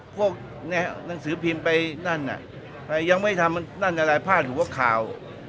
พวกหนังสือพิมพ์ไปนั่นยังไม่ทำนั่นอะไรพาดหัวข่าว